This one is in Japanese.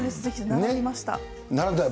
並びました。